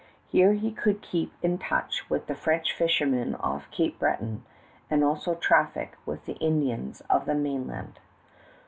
Here he could keep in touch with the French fishermen off Cape Breton, and also traffic with the Indians of the mainland.